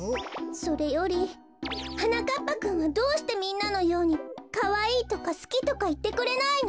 それよりはなかっぱくんはどうしてみんなのように「かわいい」とか「すき」とかいってくれないの？